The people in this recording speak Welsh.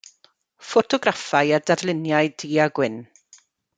Ffotograffau a darluniau du-a-gwyn.